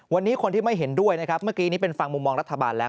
วันนี้คนที่ไม่เห็นด้วยนะครับเมื่อกี้นี้เป็นฟังมุมมองรัฐบาลแล้ว